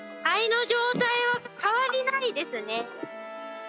肺の状態は変わりないですね。